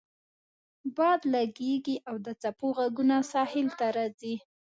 باد لګیږي او د څپو غږونه ساحل ته راځي